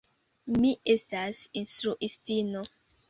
Mi estas instruistino.